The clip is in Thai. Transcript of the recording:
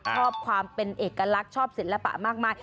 ชอบความเป็นเอกลักษณ์ชอบศิลปะมากมาย